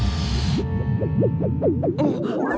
あっ。